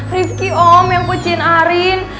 rifqi om yang kecin arin